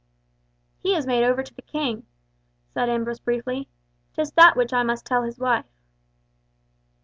"He is made over to the King," said Ambrose briefly. "'Tis that which I must tell his wife."